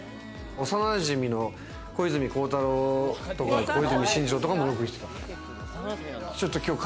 幼なじみの小泉孝太郎とか、小泉進次郎とかもよくいってた。